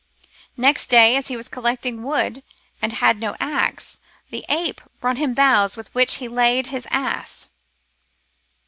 Next day, as he was collecting wood and had no axe, the ape brought him boughs with which to lade his ass.